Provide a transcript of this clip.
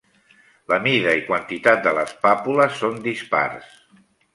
La mida i quantitat de les pàpules són dispars.